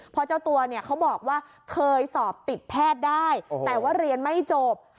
เพราะเจ้าตัวเนี่ยเขาบอกว่าเคยสอบติดแพทย์ได้แต่ว่าเรียนไม่จบ